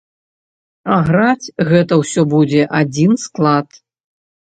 А граць гэта ўсё будзе адзін склад.